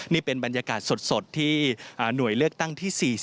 นี่เป็นบรรยากาศสดที่หน่วยเลือกตั้งที่๔๐